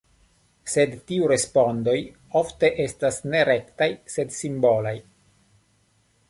Sed tiuj respondoj ofte estas ne rektaj, sed simbolaj.